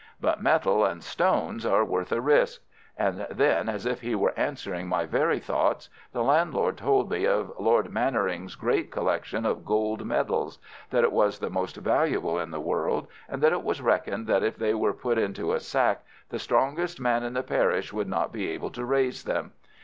But metal and stones are worth a risk. And then, as if he were answering my very thoughts, the landlord told me of Lord Mannering's great collection of gold medals, that it was the most valuable in the world, and that it was reckoned that if they were put into a sack the strongest man in the parish would not be able to raise them.